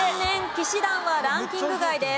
氣志團はランキング外です。